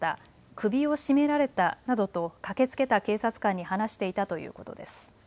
首を絞められたなどと駆けつけた警察官に話していたということです。